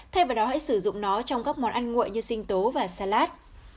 thay vào đó hãy sử dụng nó trong các món ăn nguội như xinh tố và salad